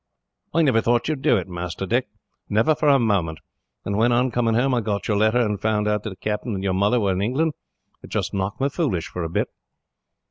"I never thought you would do it, Master Dick, never for a moment, and when on coming home I got your letter, and found that the Captain and your mother were in England, it just knocked me foolish for a bit."